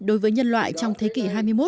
đối với nhân loại trong thế kỷ hai mươi một